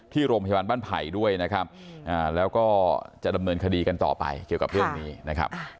ที่โรงพยาบาลบ้านไผ่ด้วยนะครับแล้วก็จะดำเนินคดีกันต่อไปเกี่ยวกับเรื่องนี้นะครับ